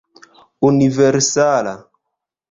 universala